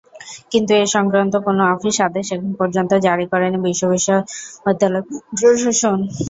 কিন্তু এ-সংক্রান্ত কোনো অফিস আদেশ এখন পর্যন্ত জারি করেনি বিশ্ববিদ্যালয় প্রশাসন।